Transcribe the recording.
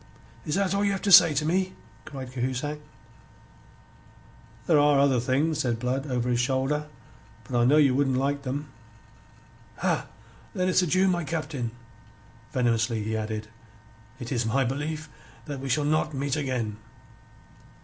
"Is that all that you have to say to me?" cried Cahusac. "There are other things," said Blood over his shoulder. "But I know ye wouldn't like them." "Ha! Then it's adieu, my Captain." Venomously he added: "It is my belief that we shall not meet again."